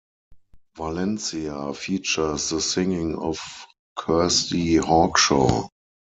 "Valencia" features the singing of Kirsty Hawkshaw.